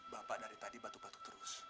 bapak dari tadi batuk batuk terus